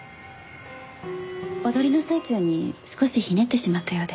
踊りの最中に少しひねってしまったようで。